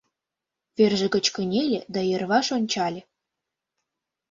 Верже гыч кынеле да йырваш ончале.